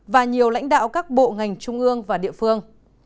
và nhiều lãnh đạo các bộ ngành trung ương và địa phương